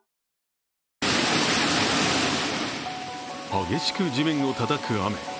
激しく地面をたたく雨。